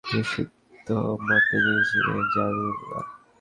বিশুদ্ধ মতে যিনি ছিলেন যাবীহুল্লাহ।